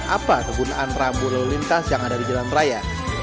apa kegunaan rambu lalu lintas yang ada di jalan raya